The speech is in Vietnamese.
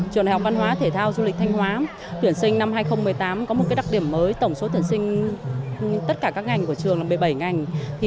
trường đại học văn hóa thể thao du lịch thanh hóa tuyển sinh năm hai nghìn một mươi tám có một đặc điểm mới tổng số tuyển sinh tất cả các ngành của trường là một mươi bảy ngành